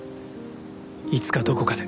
いつかどこかで。